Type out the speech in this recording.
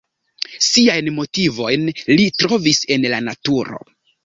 Siajn motivojn li trovis en la naturo.